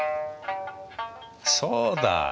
そうだ！